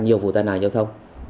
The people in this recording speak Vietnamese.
nhiều vụ tai nạn giao thông